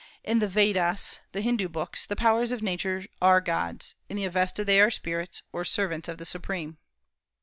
In the Vedas the Hindu books the powers of Nature are gods; in the Avesta they are spirits, or servants of the Supreme.